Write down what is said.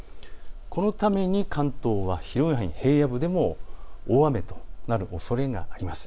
このために関東は広い範囲、平野部でも大雨となるおそれがあります。